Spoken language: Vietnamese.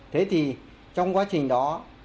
thế thì trong quá trình đó